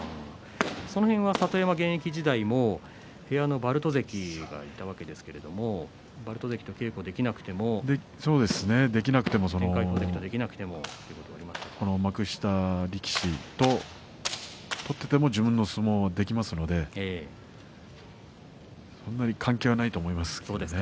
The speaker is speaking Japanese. その辺は里山現役時代も部屋の把瑠都関がいたわけですけれども把瑠都関と稽古ができなくても。できなくても幕下力士と取っていても自分の相撲はできますのでそんなに関係はないと思います。